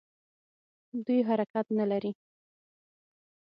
دوی حرکت نه لري.